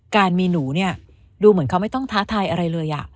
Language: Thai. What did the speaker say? การมีหนูเนี่ยดูเหมือนเขาไม่ต้องท้าทายอะไรเลย